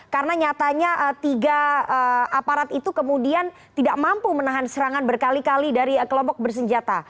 karena nyatanya tiga aparat itu kemudian tidak mampu menahan serangan berkali kali dari kelompok bersenjata